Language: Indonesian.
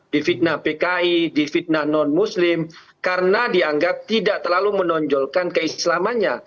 difitnah pki difitnah non muslim karena dianggap tidak terlalu menonjolkan keislamannya